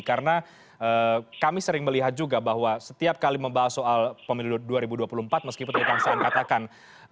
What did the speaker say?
karena kami sering melihat juga bahwa setiap kali membahas soal pemilu dua ribu dua puluh empat meskipun itu kang saan katakan